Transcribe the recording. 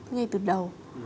ngay từ đầu